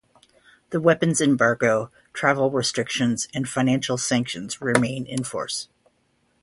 The weapons embargo, travel restrictions, and financial sanctions remain in force.